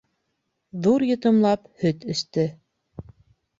Ҙур йотомлап һөт эсте.